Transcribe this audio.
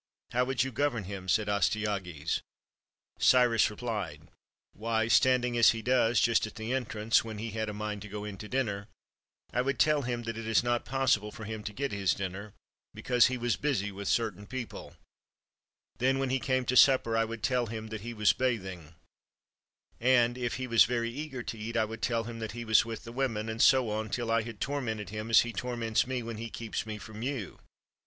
"How would you govern him?" said Astyages. Cyrus replied: —" Why, standing as he does, just at the entrance, when he had a mind to go in to dinner, I would tell him that it is not yet possible for him to get his dinner, because 'he was busy with certain people': then, when he came to supper, I would tell him that 'he was bathing': and, if he was very eager to eat, I would tell him that 'he was with the women ': and so on, till I had tormented him as he torments me when he keeps me from you."